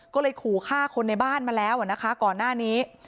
ก็เลยขู่ฆ่าคนในบ้านมาแล้วนะคะก่อนหน้านี้